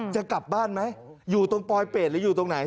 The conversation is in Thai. จะกลับบ้านไหมอยู่ตรงปลอยเป็ดหรืออยู่ตรงไหน